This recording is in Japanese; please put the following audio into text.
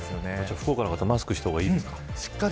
福岡の方マスクをしたほうがいいですか。